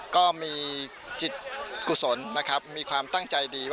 ก็มีจิตกุศลนะครับมีความตั้งใจดีว่า